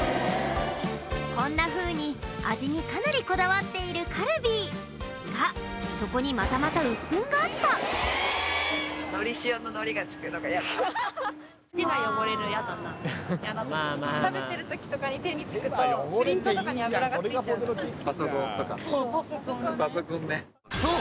こんなふうに味にかなりこだわっているカルビーがそこにまたまたウップンがあったそう